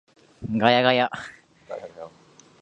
ガヤガヤ